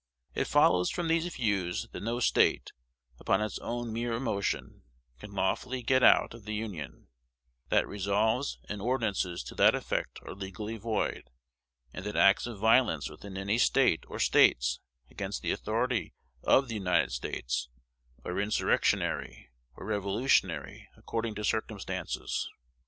It follows from these views that no State, upon its own mere motion, can lawfully get out of the Union; that resolves and ordinances to that effect are legally void; and that acts of violence within any State or States against the authority of the United States, are insurrectionary or revolutionary according to circumstances.